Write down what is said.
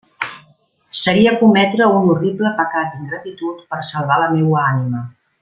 Seria cometre un horrible pecat d'ingratitud per salvar la meua ànima.